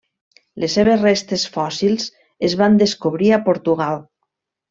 Les seves restes fòssils es van descobrir a Portugal.